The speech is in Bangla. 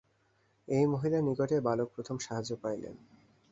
এই মহিলার নিকটেই বালক প্রথম সাহায্য পাইলেন।